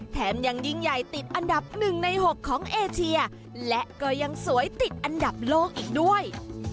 แถมยังยิ่งใหญ่ติดอันดับ๑ใน๖ของเอเชียและก็ยังสวยติดอันดับโลกอีกด้วย